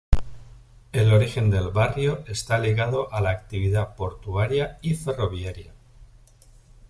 El origen del barrio está ligado a la actividad portuaria y ferroviaria.